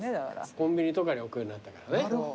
コンビニとかに置くようになったからね。